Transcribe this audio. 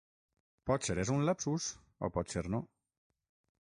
Potser és un lapsus o potser no.